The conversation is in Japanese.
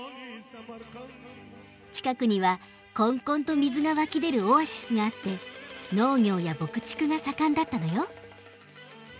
近くにはこんこんと水が湧き出るオアシスがあって農業や牧畜が盛んだったのよ。